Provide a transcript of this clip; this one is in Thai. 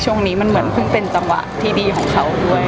ช่วงนี้มันเหมือนเพิ่งเป็นจังหวะที่ดีของเขาด้วย